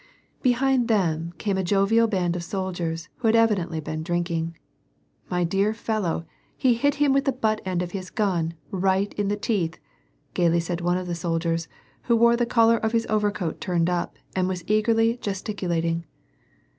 Behind them came a jovial band of soldiers, who had evi dently been drinking. " My dear fellow, he hit him with the but end of his gun, right in the teeth," gayly said one of the soldiers, who wore the collar of his overcoat turned up and was eagerly gesticulating.